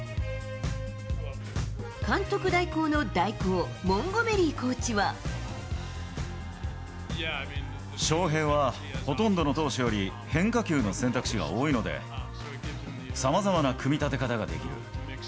監督代行の代行、翔平はほとんどの投手より、変化球の選択肢が多いので、さまざまな組み立て方ができる。